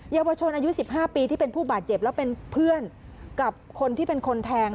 เยาวชนอายุ๑๕ปีที่เป็นผู้บาดเจ็บแล้วเป็นเพื่อนกับคนที่เป็นคนแทง